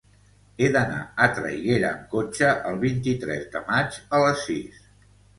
He d'anar a Traiguera amb cotxe el vint-i-tres de maig a les sis.